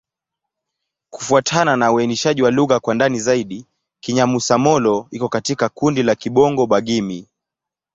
Kufuatana na uainishaji wa lugha kwa ndani zaidi, Kinyamusa-Molo iko katika kundi la Kibongo-Bagirmi.